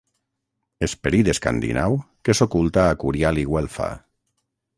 Esperit escandinau que s'oculta a Curial i Güelfa.